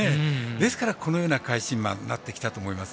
ですから、このような返し馬になってきたと思います。